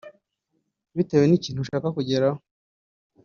Bitewe n’ ikintu ushaka kugeraho